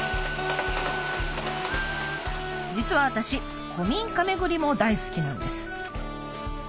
実は私古民家巡りも大好きなんです